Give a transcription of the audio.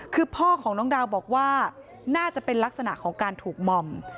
คือพ่อของน้องดาวบอกว่าน่าจะเป็นลักษณะของการถูกหม่อม